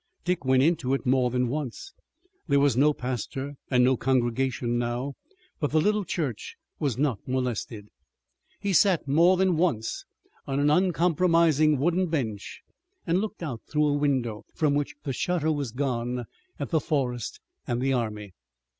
Dick went into it more than once. There was no pastor and no congregation now, but the little church was not molested. He sat more than once on an uncompromising wooden bench, and looked out through a window, from which the shutter was gone, at the forest and the army.